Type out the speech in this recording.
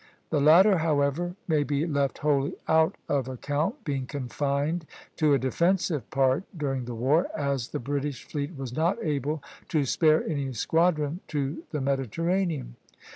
The latter, however, may be left wholly out of account, being confined to a defensive part during the war, as the British fleet was not able to spare any squadron to the Mediterranean.